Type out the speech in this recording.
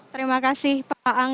terima kasih pak ang